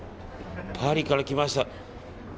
パリから来ました。